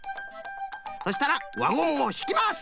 そしたら輪ゴムをひきます！